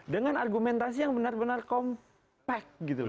dengan argumentasi yang benar benar compact